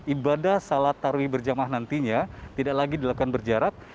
ibadah sholat terawih berjamaah nantinya tidak lagi dilakukan berjarak